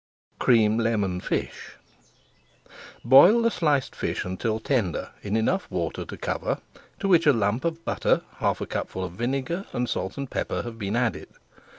CREAM LEMON FISH Boil the sliced fish until tender, in enough water to cover, to which a lump of butter, half a cupful of vinegar, and salt and pepper have been added.